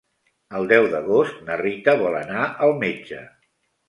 El deu d'agost na Rita vol anar al metge.